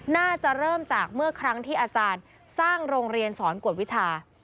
น่าจะเริ่มจากเมื่อครั้งที่อาจารย์สร้างโรงเรียนสอนกวดวิชา